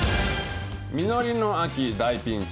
実りの秋大ピンチ。